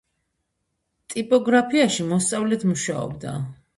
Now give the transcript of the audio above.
ტიპოგრაფიაში მოსწავლედ მუშაობდა.